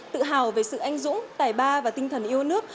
tự hào về sự anh dũng tài ba và tinh thần yêu nước